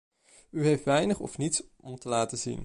U heeft weinig of niets om te laten zien.